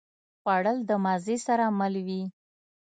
خوړل د مزې سره مل وي